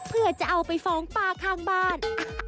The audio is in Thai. เพื่อจะเอาไปฟ้องป้าข้างบ้าน